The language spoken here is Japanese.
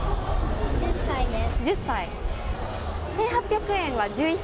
１０歳です。